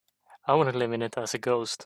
I wouldn't live in it as a ghost.